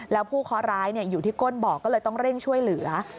แล้วผู้เคาะร้ายอยู่ที่ก้นบ่อก็เลยต้องเร่งช่วยเหลือ